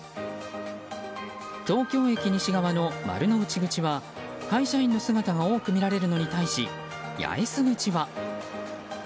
東京駅西側の丸ノ内口は会社員の姿が多く見られるのに対し、八重洲口は。